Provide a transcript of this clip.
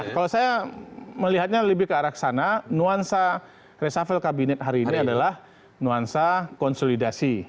kalau saya melihatnya lebih ke arah sana nuansa resafel kabinet hari ini adalah nuansa konsolidasi